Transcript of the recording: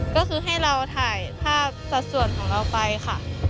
ก็คือให้เราถ่ายภาพสัดส่วนของเราไปค่ะ